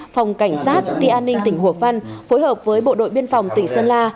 phòng cảnh sát tị an ninh tỉnh hùa phân phối hợp với bộ đội biên phòng tỉnh sơn la